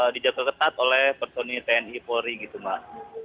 dijaket ketat oleh personil tni polri gitu mbak